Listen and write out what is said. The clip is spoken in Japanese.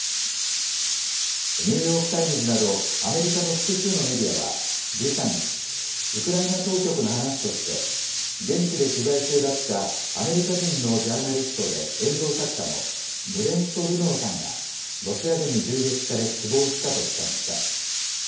ニューヨーク・タイムズなどアメリカの複数のメディアは１３日、ウクライナ当局の話として現地で取材中だったアメリカ人のジャーナリストで映像作家のブレント・ルノーさんが、ロシア軍に銃撃され死亡したと伝えました。